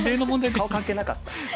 顔関係なかった。